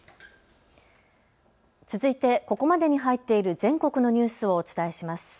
続いてここまでに入っている全国のニュースをお伝えします。